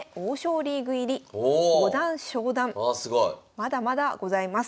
まだまだございます。